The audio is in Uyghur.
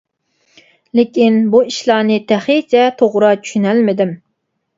لېكىن بۇ ئىشلارنى تېخىچە توغرا چۈشىنەلمىدىم.